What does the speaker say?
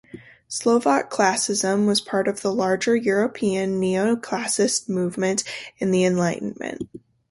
Slovak Classicism was part of the larger European neo-Classicist movement of the Enlightenment.